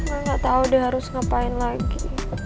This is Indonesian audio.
enggak tahu harus ngapain lagi